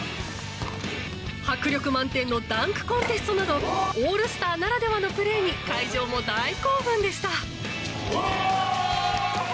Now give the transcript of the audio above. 迫力満点のダンクコンテストなどオールスターならではのプレーに会場も大興奮でした。